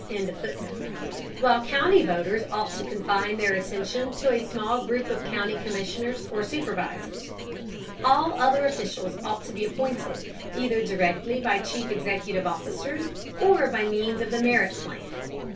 ] while county voters ought to confine their attention to a small group of county commissioners or supervisors. All other officials ought to be appointed, either directly by chief executive officers, or by means of the merit plan.